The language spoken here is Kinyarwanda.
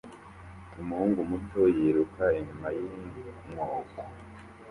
Umuhungu muto yiruka inyuma yinkoko